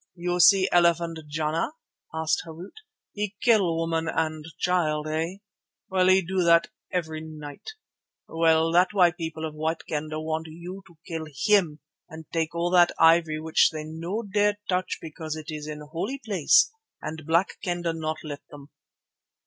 "You see elephant Jana?" asked Harût. "He kill woman and child, eh? Well, he do that every night. Well, that why people of White Kendah want you to kill him and take all that ivory which they no dare touch because it in holy place and Black Kendah not let them.